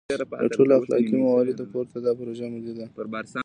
له ټولو اختلافي مواردو پورته دا پروژه ملي ده.